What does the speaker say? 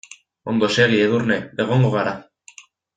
Ondo segi Edurne, egongo gara.